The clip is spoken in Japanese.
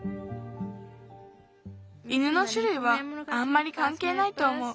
犬のしゅるいはあんまりかんけいないとおもう。